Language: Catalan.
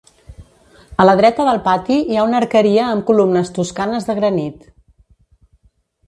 A la dreta del pati hi ha una arqueria amb columnes toscanes de granit.